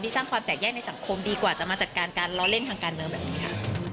สร้างความแตกแยกในสังคมดีกว่าจะมาจัดการการล้อเล่นทางการเมืองแบบนี้ค่ะ